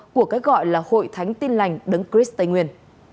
của cái gọi là hội thánh tin lành đấng chris tây nguyên